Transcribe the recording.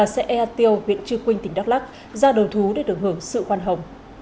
xã ea tiêu huyện trư quynh tỉnh đắk lắc ra đầu thú để được hưởng sự khoan hồng